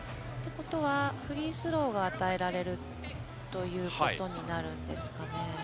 ことは、フリースローが与えられるということになるんですかね。